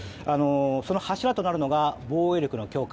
その柱となるのが防衛力の強化。